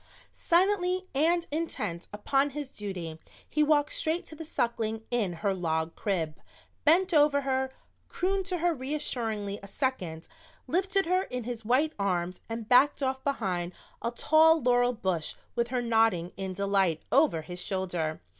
Silently and intent upon his duty he walked straight to the Suckling in her log crib, bent over her, crooned to her reassuringly a second, lifted her in his white arms and backed off behind a tall laurel bush with her nodding in delight over his shoulder.